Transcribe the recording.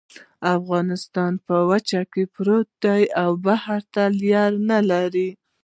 افغانستان په وچه کې پروت دی او بحري لارې نلري